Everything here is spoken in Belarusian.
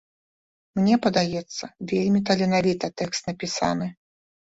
Мне падаецца, вельмі таленавіта тэкст напісаны.